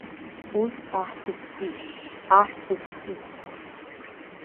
Ус аҳ дыԥсит, аҳ дыԥсит!